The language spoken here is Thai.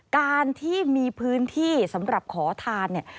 การที่มีพื้นที่สำหรับขอทานเนี่ย